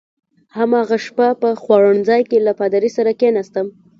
هماغه شپه په خوړنځای کې له پادري سره کېناستم.